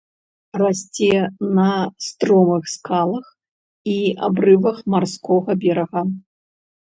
Расце на стромых скалах і абрывах марскога берага.